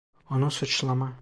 Onu suçlama.